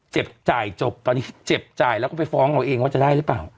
จ่ายจบตอนนี้เจ็บจ่ายแล้วก็ไปฟ้องเอาเองว่าจะได้หรือเปล่า